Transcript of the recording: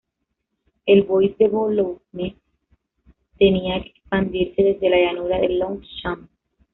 El bois de Boulogne tenía que expandirse desde la llanura de Longchamp.